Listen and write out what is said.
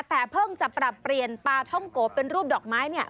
แต่เพิ่งจะปรับเปลี่ยนปลาท่องโกะเป็นรูปดอกไม้